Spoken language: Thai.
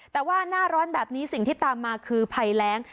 แต่ว่าหน้าร้อนแบบนี้สิ่งที่ตามมาคือภัยแรง